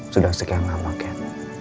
sudah sekian lama ken